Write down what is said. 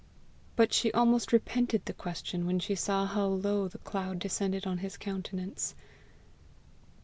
But she almost repented the question when she saw how low the cloud descended on his countenance.